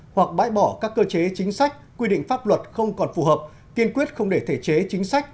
hoặc bãi bỏ các cơ chế chính sách quy định pháp luật không còn phù hợp kiên quyết không để thể chế chính sách